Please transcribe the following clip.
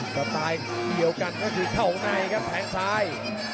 กับตายเดียวกันก็คือเข้าในครับแข็งซ้าย